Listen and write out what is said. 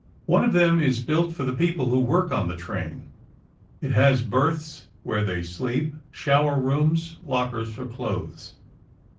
One of them is built for the people who work on the train. It has berths where they sleep, shower rooms, lockers for clothes.